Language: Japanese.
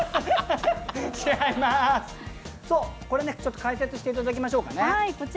違いまーす、解説していただきましょうかね。